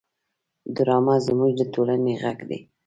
ډرامه زموږ د ټولنې غږ دی